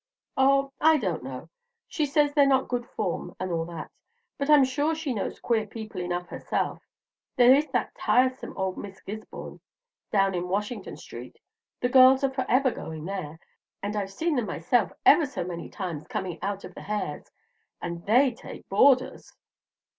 "Oh, I don't know, she says they're not good form, and all that; but I'm sure she knows queer people enough herself. There is that tiresome old Miss Gisborne down in Washington Street, the girls are forever going there; and I've seen them myself ever so many times coming out of the Hares', and they take boarders!"